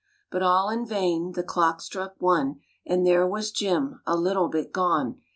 But all in vain. The clock struck one, And there was Jim A little bit gone.